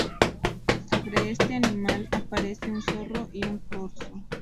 Sobre este animal aparece un zorro y un corzo.